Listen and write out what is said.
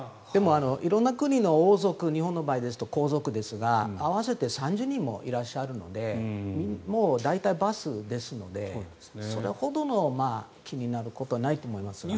色んな国の王族日本だと皇族ですが、合わせて３０人もいらっしゃるので大体、バスですのでそれほどの気になることはないと思いますね。